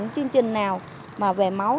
chương trình nào về máu